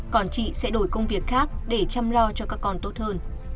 còn chị sẽ đổi công việc khác để chăm lo cho các con tốt hơn